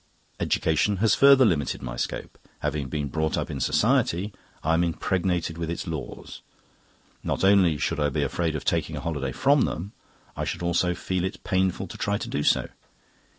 Education has further limited my scope. Having been brought up in society, I am impregnated with its laws; not only should I be afraid of taking a holiday from them, I should also feel it painful to try to do so.